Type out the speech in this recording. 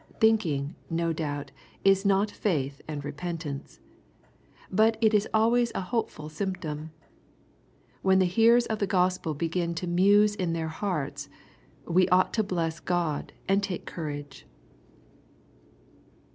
Thinking, no doubt, is not faith and repentance. But it is always a hopeful symptom. When hearers of the Gospel begin to " muse in their hearts,'' we ought to bless God and take courage.